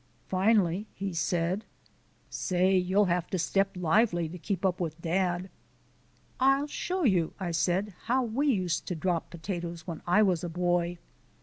Finally he said: "Say, you'll have to step lively to keep up with dad." "I'll show you," I said, "how we used to drop potatoes when I was a boy."